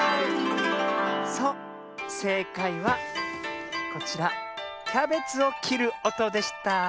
そうせいかいはこちらキャベツをきるおとでした。